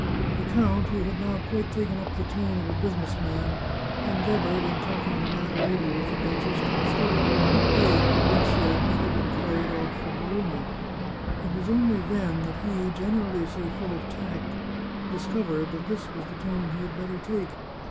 The count, who had now quite taken up the tone of a business man, endeavoured, in talking the matter over with the duchess, to discover on what day Fabrizio might have been carried off from Bo logna. It was only then that he, generally so full of tact, discovered that this was the tone he had better take.